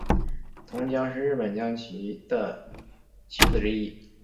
铜将是日本将棋的棋子之一。